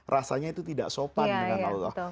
rasanya itu tidak sopan dengan allah